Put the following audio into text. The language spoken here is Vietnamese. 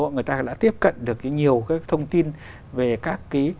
người ta đã tiếp cận được nhiều cái thông tin về các cái